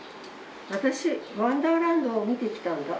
私ワンダーランドを見てきたんだ」。